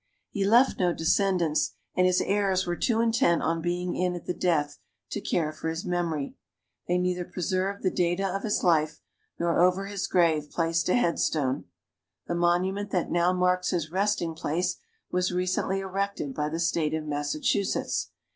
He left no descendants, and his heirs were too intent on being in at the death to care for his memory. They neither preserved the data of his life, nor over his grave placed a headstone. The monument that now marks his resting place was recently erected by the State of Massachusetts.